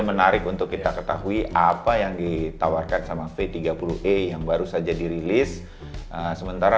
menarik untuk kita ketahui apa yang ditawarkan sama v tiga puluh e yang baru saja dirilis sementara